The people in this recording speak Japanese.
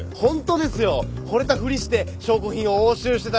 ほれたふりして証拠品を押収してたなんて。